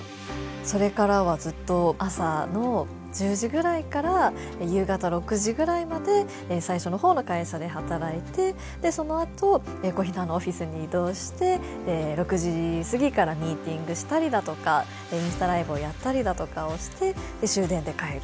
それからはずっと朝の１０時ぐらいから夕方６時ぐらいまで最初の方の会社で働いてそのあとＣＯＨＩＮＡのオフィスに移動して６時過ぎからミーティングしたりだとかインスタライブをやったりだとかをして終電で帰る。